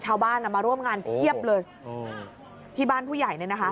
ชาวบ้านมาร่วมงานเทียบเลยที่บ้านผู้ใหญ่นะคะ